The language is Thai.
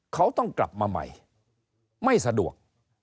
เขาต้องกลับมาใหม่ไม่สะดวก